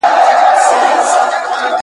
د جنګ لور ته یې آس هی کړ نازولی `